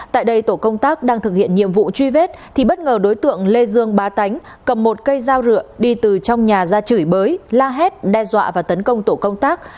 tại đây tổ công tác đang thực hiện nhiệm vụ truy vết thì bất ngờ đối tượng lê dương bá tánh cầm một cây dao rượu đi từ trong nhà ra chửi bới la hét đe dọa và tấn công tổ công tác